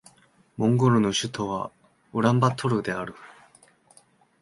モンゴルの首都はウランバートルである